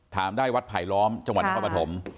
ถามได้วัดไผลล้อมจังหวัดนครปฐม